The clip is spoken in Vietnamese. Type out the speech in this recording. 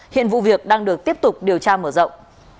hiện vụ việc đang được tiếp tục điều tra mở rộng